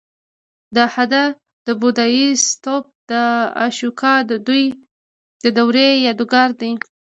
د هده د بودایي ستوپ د اشوکا د دورې یادګار دی